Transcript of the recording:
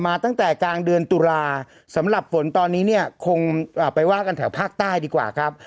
ตั้งแต่กลางเดือนตุลาสำหรับฝนตอนนี้เนี่ยคงไปว่ากันแถวภาคใต้ดีกว่าครับ